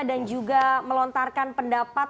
dan juga melontarkan pendapat